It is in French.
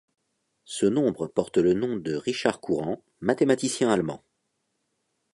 Ce nombre porte le nom de Richard Courant, mathématicien allemand.